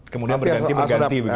kemudian berganti berganti begitu